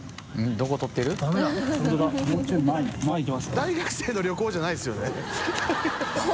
大学生の旅行じゃないですよね？